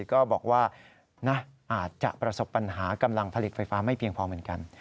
ก็บอกว่าอาจจะประสบปัญหากำลังผลิตไฟฟ้าไม่เพียงพอเหมือนกัน